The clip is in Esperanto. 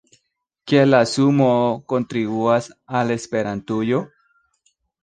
Kiel la sumoo kontribuas al Esperantujo?